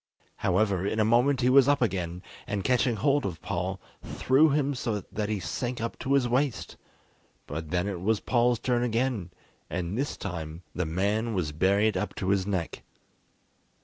However, in a moment he was up again, and catching hold of Paul, threw him so that he sank up to his waist; but then it was Paul's turn again, and this time the man was buried up to his neck.